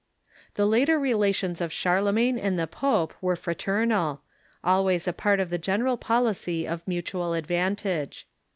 The later relations of Charlemagne and the pope were fra ternal— always a part of the general policy of mutual advan tage.